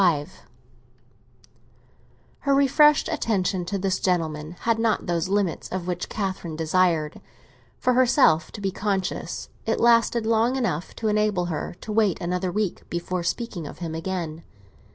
XXXV HER refreshed attention to this gentleman had not those limits of which Catherine desired, for herself, to be conscious; it lasted long enough to enable her to wait another week before speaking of him again.